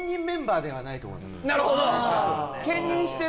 なるほど！